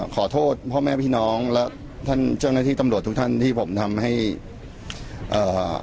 ขอโทษพ่อแม่พี่น้องและท่านเจ้าหน้าที่ตำรวจทุกท่านที่ผมทำให้เอ่อ